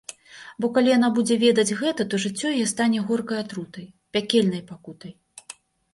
Бо калі яна будзе ведаць гэта, то жыццё яе стане горкай атрутай, пякельнай пакутай.